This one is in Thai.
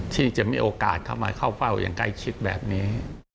ที่จะมีโอกาสเข้ามาเข้าเฝ้าอย่างใกล้ชิดแบบนี้